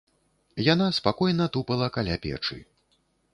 Яна спакойна тупала каля печы.